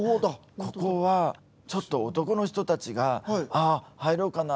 ここはちょっと男の人たちが入ろうかな？